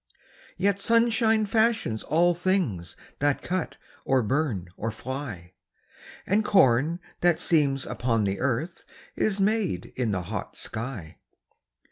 Yet sunshine fashions all things That cut or burn or fly; And corn that seems upon the earth Is made in the hot sky.